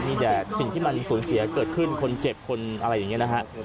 มีแต่สิ่งที่มันสูญเสียเกิดขึ้นคนเจ็บคนอะไรอย่างนี้นะฮะ